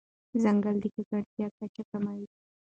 ځنګل د ککړتیا کچه کموي.